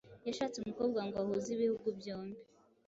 Yashatse umukobwa ngo ahuze ibihugu byombi